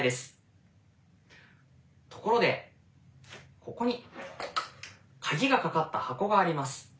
ところでここに鍵が掛かった箱があります。